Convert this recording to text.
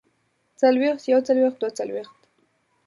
څلوېښت يوڅلوېښت دوه څلوېښت